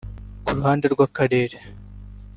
Ku ruhande rwa Karera